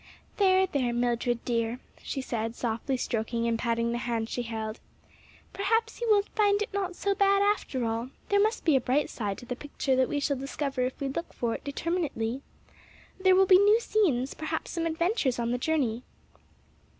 "There, there, Mildred, dear," she said, softly stroking and patting the hand she held, "perhaps you will find it not so bad after all, there must be a bright side to the picture that we shall discover if we look for it determinately. There will be new scenes, perhaps some adventures on the journey."